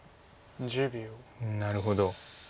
なるほど。